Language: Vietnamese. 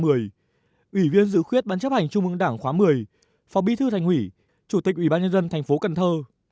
ủy viên dự khuyết ban chấp hành trung ương đảng khóa một mươi phó bí thư thành ủy chủ tịch ủy ban nhân dân thành phố cần thơ